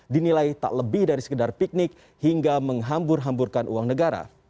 dinilai tak lebih dari sekedar piknik hingga menghambur hamburkan uang negara